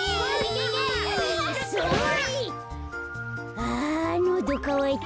あのどかわいた。